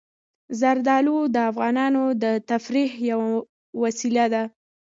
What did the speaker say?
زردالو د افغانانو د تفریح یوه وسیله ده.